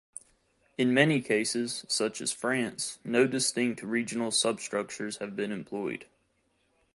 In many cases, such as France, no distinct regional substructures have been employed.